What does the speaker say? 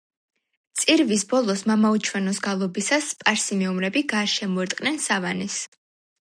წირვის ბოლოს „მამაო ჩვენოს“ გალობისას სპარსი მეომრები გარს შემოერტყნენ სავანეს.